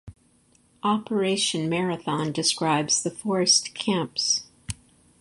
Operation Marathon describes the forest camps.